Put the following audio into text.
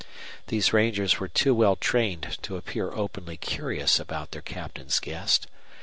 These rangers were too well trained to appear openly curious about their captain's guest.